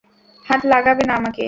হাত লাগাবে না আমাকে!